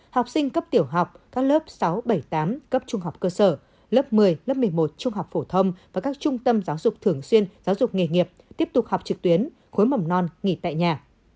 học sinh cấp tiểu học các lớp sáu bảy tám cấp trung học cơ sở lớp một mươi lớp một mươi một trung học phổ thông và các trung tâm giáo dục thường xuyên giáo dục nghề nghiệp tiếp tục học trực tuyến khối mầm non nghỉ tại nhà